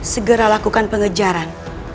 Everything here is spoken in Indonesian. segera lakukan pengejaran